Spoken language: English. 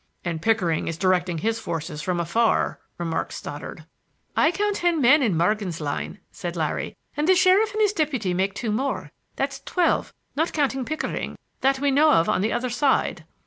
"And Pickering is directing his forces from afar," remarked Stoddard. "I count ten men in Morgan's line," said Larry, "and the sheriff and his deputy make two more. That's twelve, not counting Pickering, that we know of on the other side."